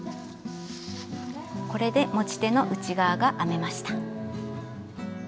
これで持ち手の内側が編めました。